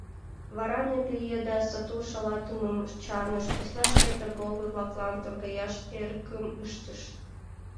Вара нэп лие да, сату шалатымым чарныш, посна, шкет торговой-влаклан торгаяш эрыкым ыштыш.